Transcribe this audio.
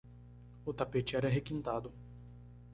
O tapete era requintado.